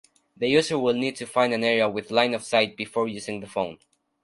The user will need to find an area with line-of-sight before using the phone.